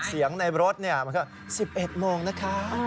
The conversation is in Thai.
เสียงในรถมันก็๑๑โมงนะคะ